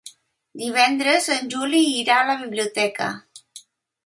Divendres en Juli irà a la biblioteca.